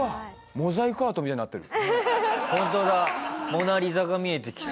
モザイクアートみたいになってる。